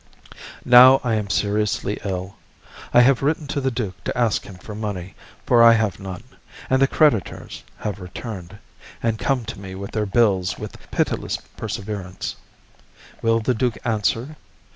Now I am seriously ill. I have written to the duke to ask him for money, for I have none, and the creditors have returned, and come to me with their bills with pitiless perseverance. Will the duke answer?